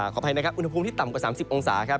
ขออภัยนะครับอุณหภูมิที่ต่ำกว่า๓๐องศาครับ